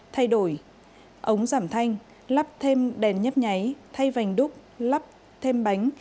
thay đổi ống giảm thanh lắp thêm đèn nhấp nháy thay vành đúc lắp thêm bánh